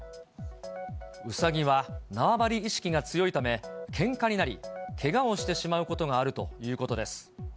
ウサギは縄張り意識が強いため、けんかになり、けがをしてしまうことがあるということです。